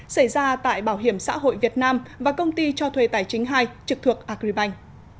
xảy ra tại bảo hiểm xã hội việt nam và công ty cho thuê tài chính hai trực thuộc agribank